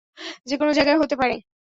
যেকোন যায়গায় হতে পারে।